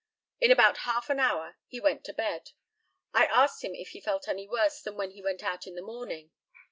In about half an hour he went to bed. I asked him if he felt any worse than when he went out in the morning.